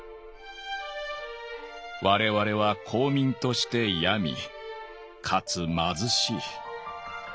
「我々は公民として病み且つ貧しい」。